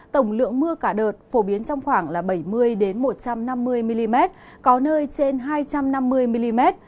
tổng lượng mưa cả đợt phổ biến trong khoảng bảy mươi một trăm năm mươi mm có nơi trên hai trăm năm mươi mm